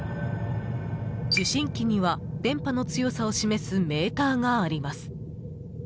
受信機には、電波の強さを示すメーターがあります。